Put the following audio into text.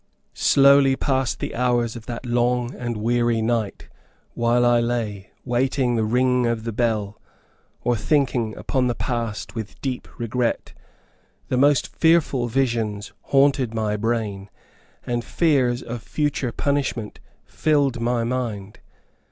Slowly passed the hours of that long and weary night, while I lay, waiting the ringing of the bell, or thinking upon the past with deep regret. The most fearful visions haunted my brain, and fears of future punishment filled my mind.